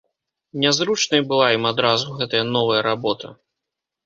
Нязручнай была ім адразу гэтая новая работа.